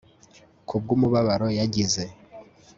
kubwumubabaro yagize…